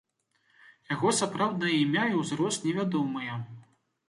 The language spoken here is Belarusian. Яго сапраўднае імя і ўзрост невядомыя.